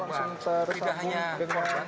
kita langsung tersambung dengan korban